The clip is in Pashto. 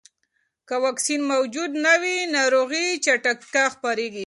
که واکسین موجود نه وي، ناروغي چټکه خپرېږي.